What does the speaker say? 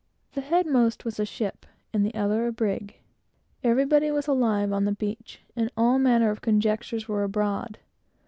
The headmost was a ship, and the other, a brig. Everybody was alive on the beach, and all manner of conjectures were abroad.